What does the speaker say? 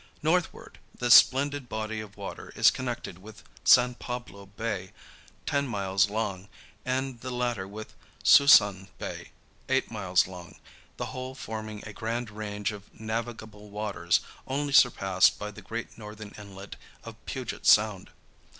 Northward this splendid body of water is connected with San Pablo Bay, ten miles long, and the latter with Suisun Bay, eight miles long, the whole forming a grand range of navigable waters only surpassed by the great northern inlet of Puget Sound.